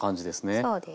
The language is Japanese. そうです。